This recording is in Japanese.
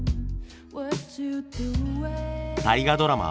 大河ドラマ